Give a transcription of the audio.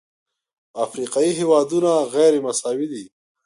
افریقایي هېوادونه غیرمساوي دي.